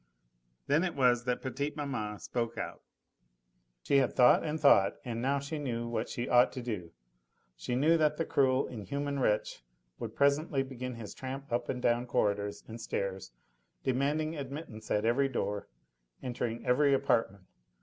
Then it was that petite maman spoke out. She had thought and thought, and now she knew what she ought to do; she knew that that cruel, inhuman wretch would presently begin his tramp up and down corridors and stairs, demanding admittance at every door, entering every apartment.